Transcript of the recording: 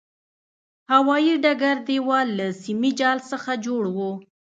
هوایي ډګر دېوال له سیمي جال څخه جوړ و.